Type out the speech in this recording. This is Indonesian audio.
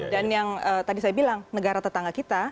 dan yang tadi saya bilang negara tetangga kita